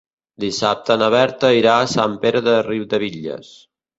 Dissabte na Berta irà a Sant Pere de Riudebitlles.